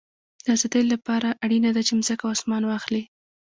د آزادۍ له پاره اړینه ده، چي مځکه او اسمان واخلې.